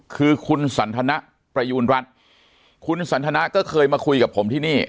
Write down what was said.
คือคุณสันทนะประยูณรัฐคุณสันทนาก็เคยมาคุยกับผมที่นี่